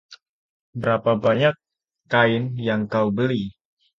Berapa banyak kain yang kau beli?